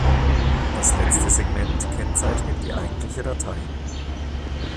Das letzte Segment kennzeichnet die eigentliche Datei.